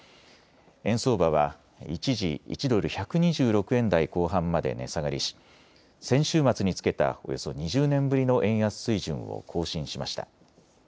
円相場は一時１ドル１２６円台後半まで値下がりし先週末につけたおよそ２０年ぶりの円安水準を更新しました。